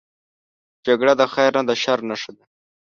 جګړه د خیر نه، د شر نښه ده